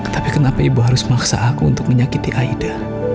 tapi kenapa ibu harus memaksa aku untuk menyakiti aida